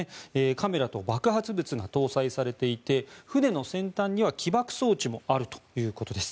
カメラと爆発物が搭載されていて船の先端には起爆装置もあるということです。